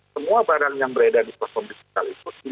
semua barang yang beredar di platform digital itu